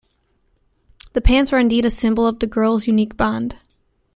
The pants are indeed a symbol of the girls' unique bond.